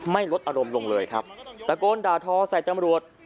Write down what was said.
ลดอารมณ์ลงเลยครับตะโกนด่าทอใส่จำรวจ